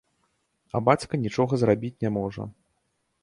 А бацька нічога зрабіць не можа.